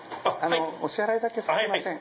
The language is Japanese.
お支払いだけすいません。